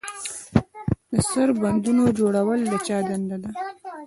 د سربندونو جوړول د چا دنده ده؟